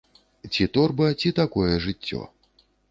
Ці торба, ці такое жыццё.